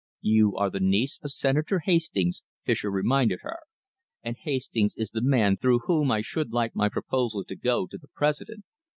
"You are the niece of Senator Hastings," Fischer reminded her, "and Hastings is the man through whom I should like my proposal to go to the President.